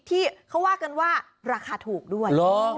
ที่เขาว่ากันว่าราคาถูกด้วย